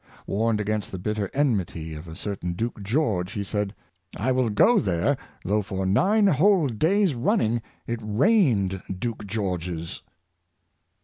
Warned against the bitter enmity of a certain Duke George, he said, " I will go there, though for nine whole days running it rained Duke Georges!